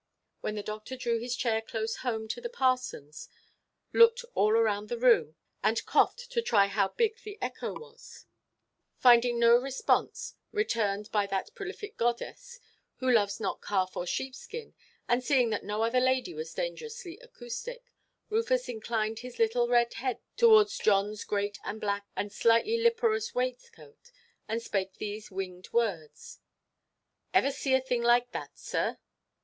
Then the doctor drew his chair close home to the parsonʼs, looked all round the room, and coughed to try how big the echo was. Finding no response returned by that prolific goddess, who loves not calf or sheep–skin, and seeing that no other lady was dangerously acoustic, Rufus inclined his little red head towards Johnʼs great and black and slightly liparous waistcoat, and spake these winged words: "Ever see a thing like that, sir?"